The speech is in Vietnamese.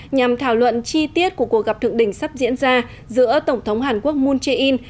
nhằm thảo luận chi tiết của cuộc gặp thượng đỉnh sắp diễn ra giữa tổng thống hàn quốc moon jae in